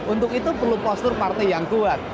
untuk itu perlu postur partai yang kuat